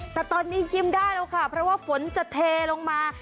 แต่ตอนนี้ยิ้มได้แล้วค่ะเพราะว่าฝนจะเทลงมา